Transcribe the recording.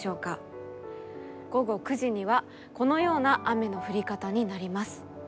午後９時にはこのような雨の降り方になります。